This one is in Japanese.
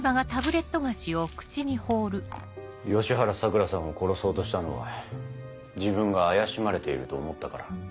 吉原さくらさんを殺そうとしたのは自分が怪しまれていると思ったから？